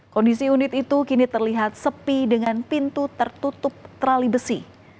kondisi unit itu kini terlihat sepi dengan pintu tertutup terali besi